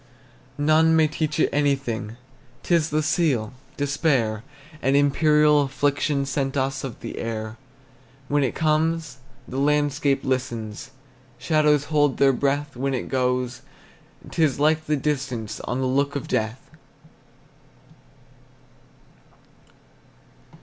None may teach it anything, ' T is the seal, despair, An imperial affliction Sent us of the air. When it comes, the landscape listens, Shadows hold their breath; When it goes, 't is like the distance On the look of death.